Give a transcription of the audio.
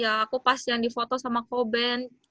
ya aku pas yang di foto sama koben